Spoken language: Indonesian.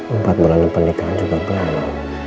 empat bulan pendekaan juga berapa